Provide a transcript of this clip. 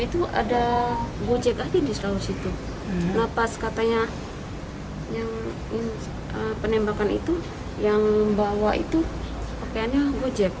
itu ada bujik lagi di seluruh situ nafas katanya yang penembakan itu yang bawa itu